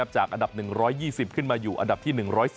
จากอันดับ๑๒๐ขึ้นมาอยู่อันดับที่๑๑๐